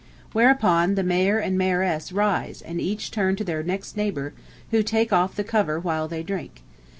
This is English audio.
Whereupon the Mayor and Mayoress rise and each turn to their next neighbor, who take off the cover while they drink.